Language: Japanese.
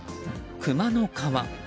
クマの皮。